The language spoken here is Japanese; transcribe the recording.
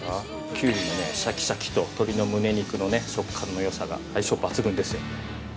きゅうりのシャキシャキと鶏のむね肉の食感のよさが相性抜群ですよ。